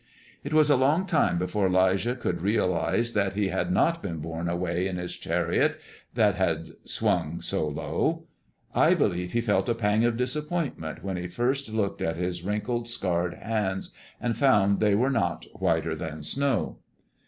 It was a long time before 'Lijah could realize that he had not been borne away in his chariot, that had swung so low. I believe he felt a pang of disappointment when he first looked at his wrinkled, scarred hands, and found they were not "whiter than snow."